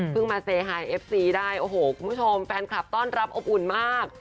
มาเซไฮเอฟซีได้โอ้โหคุณผู้ชมแฟนคลับต้อนรับอบอุ่นมาก